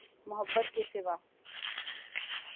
محبت کے سوا۔